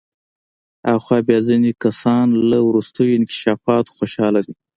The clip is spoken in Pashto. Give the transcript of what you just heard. آخوا بیا ځینې کسان له وروستیو انکشافاتو خوشحاله دي.